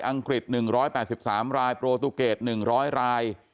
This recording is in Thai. กฤษ๑๘๓รายโปรตูเกต๑๐๐ราย